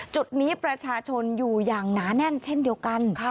จุดนี้ประชาชนอยู่อย่างหนาแน่นเช่นเดียวกัน